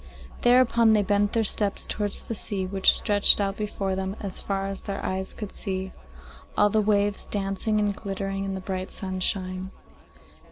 Thereupon they bent their steps towards the sea, which stretched out before them, as far as their eyes could see, all the waves dancing and glittering in the bright sunshine.